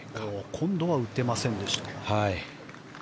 今度は打てませんでした。